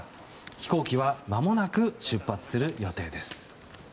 飛行機はまもなく出発する予定です。